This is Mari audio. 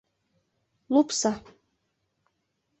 — «Лупса!»